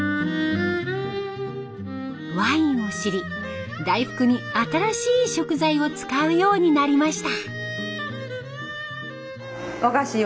ワインを知り大福に新しい食材を使うようになりました。